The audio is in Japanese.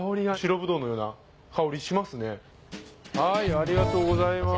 ありがとうございます。